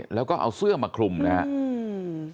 แล้วก็เอาเสื้อมาคลุมนะครับ